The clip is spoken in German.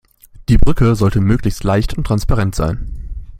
Die Brücke sollte möglichst leicht und transparent sein.